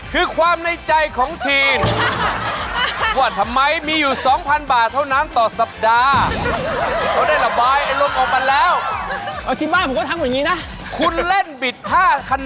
ผมว่าต้องเปลี่ยนกลยุทธ์ใหม่ครับแต่ไม่บอก